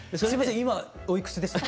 今おいくつでしたか？